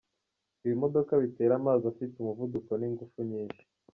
Ibimodoka bitera amazi afite umuvuduko n’ingufu nyinshi,